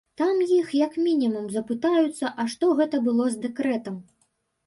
Там іх, як мінімум, запытаюцца, а што гэта было з дэкрэтам?